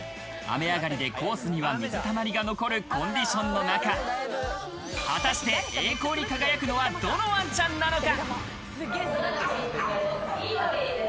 雨上がりでコースには水たまりが残るコンディションの中、果たして栄光に輝くのはどのワンちゃんなのか？